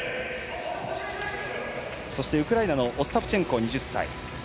ウクライナのオスタプチェンコ、２０歳。